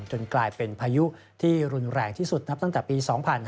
จนกลายเป็นพายุที่รุนแรงที่สุดนับตั้งแต่ปี๒๕๕๙